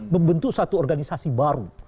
membentuk satu organisasi baru